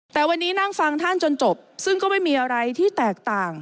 แต่วันนี้นั่งฟังท่านจนจบซึ่งก็ไม่มีอะไรที่แตกต่าง